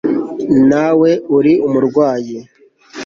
nawe uri umurwayi